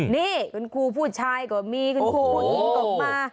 นี่คุณครูผู้ชายก็มีคุณครูตกมา